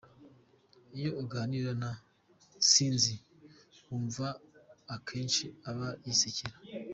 Iyo uganira na Sinzi, wumva akenshi aba yisekera.